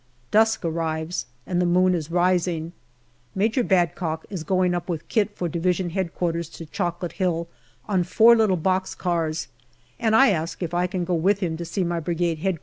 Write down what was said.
Dusk arrives, and the moon is rising. Major Badcock is going up with kit for D.H.Q. to Chocolate Hill on four little box cars, and I ask if I can go with him to see my Brigade H.Q.